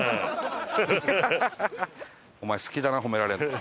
お前好きだな褒められるの。